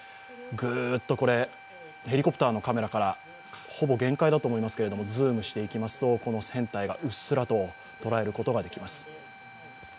グーッとヘリコプターのカメラから限界だと思いますがズームしていきますと船体をうっすらと捉えることができます。